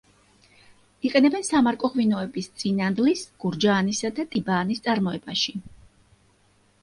იყენებენ სამარკო ღვინოების „წინანდლის“, „გურჯაანისა“ და „ტიბაანის“ წარმოებაში.